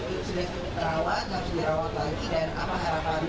itu sudah terawat harus dirawat lagi dan apa harapannya